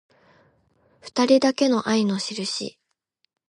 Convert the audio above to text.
ふたりだけの愛のしるし